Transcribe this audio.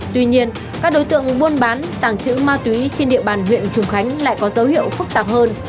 tuy nhiên các đối tượng buôn bán tàng trữ ma túy trên địa bàn huyện trùng khánh lại có dấu hiệu phức tạp hơn